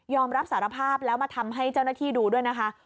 รับสารภาพแล้วมาทำให้เจ้าหน้าที่ดูด้วยนะคะ